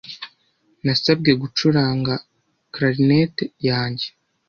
Nasabwe gucuranga Clarinet yanjye